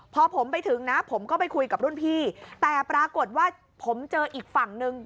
พอผมไปถึงนะผมก็ไปคุยกับรุ่นพี่แต่ปรากฏว่าผมเจออีกฝั่งนึง